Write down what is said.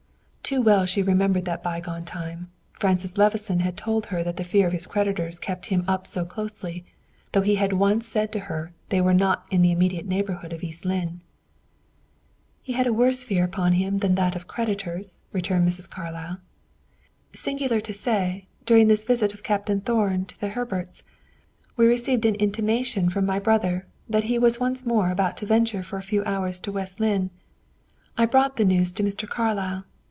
Too well she remembered that bygone time; Francis Levison had told that the fear of his creditors kept him up so closely; though he had once said to her they were not in the immediate neighborhood of East Lynne. "He had a worse fear upon him than that of creditors," returned Mrs. Carlyle. "Singular to say, during this visit of Captain Thorn to the Herberts, we received an intimation from my brother that he was once more about to venture for a few hours to West Lynne. I brought the news to Mr. Carlyle.